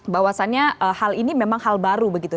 bahwasannya hal ini memang hal baru begitu